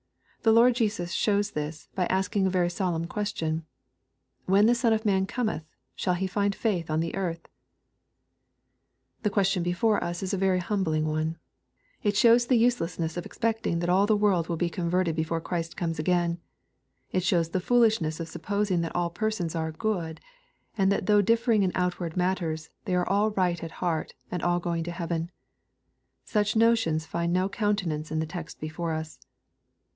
The Lord Jesus shows this, by asking a very solemn question, " When the Son of Man cometh, shall He find faith on the earth ?" The question before us is a very humbling one. It shows the uselessness of expecting that all the world will be converted before Christ comes again. It shows the foolishness of supfjosing that all persons are "good," and that though differing in outward matters, they are all right at heart, and all going to heaven. Such notions find no countenance in the text before us.